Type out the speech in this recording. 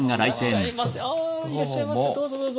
あいらっしゃいませどうぞどうぞ。